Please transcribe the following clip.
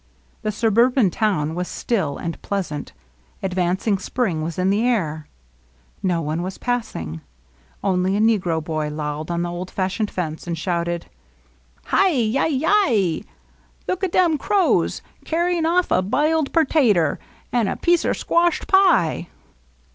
The suburban town was still and pleasant; advancing spring was in the air ; no one was passing ; only a negro boy lolled on the old fashioned fence, and shouted :^' Hi ! Ti I Yi ! Look a' dem crows carryin' off a b'iled pertater 'n' a piecer squushed pie!"